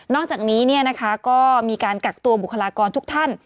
อกจากนี้ก็มีการกักตัวบุคลากรทุกท่าน